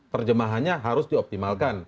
perjemahannya harus dioptimalkan